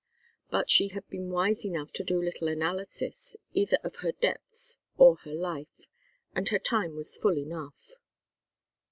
But she had been wise enough to do little analysis, either of her depths or of life, and her time was full enough.